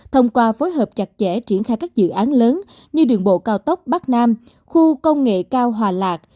thông qua phối hợp chặt chẽ triển khai các dự án lớn như đường bộ cao tốc bắc nam khu công nghệ cao hòa lạc